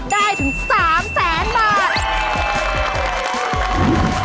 ได้ถึง๓แสนบาท